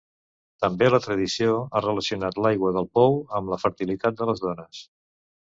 També la tradició ha relacionat l'aigua del pou amb la fertilitat de les dones.